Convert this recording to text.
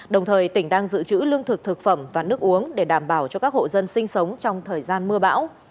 đồng thời tỉnh đang dự trữ lương thực thực phẩm và nước uống để đảm bảo cho các hộ dân sinh sống trong thời gian mưa bão